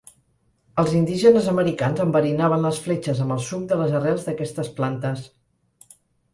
Els indígenes americans enverinaven les fletxes amb el suc de les arrels d'aquestes plantes.